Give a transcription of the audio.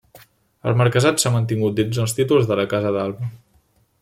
El marquesat s'ha mantingut dins els títols de la casa d'Alba.